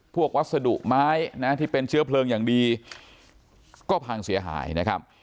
วัสดุไม้นะที่เป็นเชื้อเพลิงอย่างดีก็พังเสียหายนะครับ